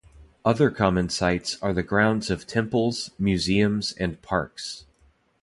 Other common sites are the grounds of temples, museums, and parks.